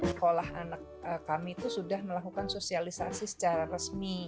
sekolah anak kami itu sudah melakukan sosialisasi secara resmi